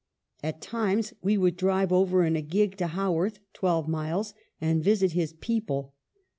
"At times we would drive over in a gig to Havvorth (twelve miles) and visit his people.